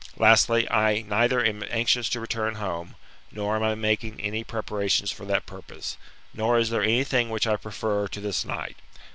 Lastly, I neither am anxious to return home, nor am I making any preparations for that purpose, nor is there any thing which I prefer to this night.